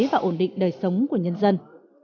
và ổn định đời sống của nhân dân